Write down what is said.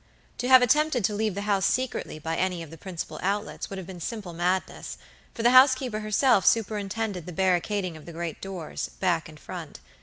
To have attempted to leave the house secretly by any of the principal outlets would have been simple madness, for the housekeeper herself superintended the barricading of the great doors, back and front.